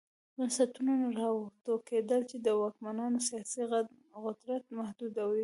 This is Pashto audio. بنسټونه را وټوکېدل چې د واکمنانو سیاسي قدرت محدوداوه.